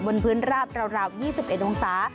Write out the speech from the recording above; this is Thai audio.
บนพื้นราบราว๒๑องศา